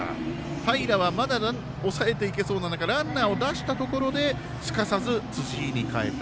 平はまだ抑えていけそうな中ランナーを出したところですかさず辻井に代えた。